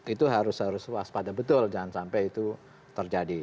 itu harus waspada betul jangan sampai itu terjadi